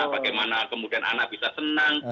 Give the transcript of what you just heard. bagaimana kemudian anak bisa senang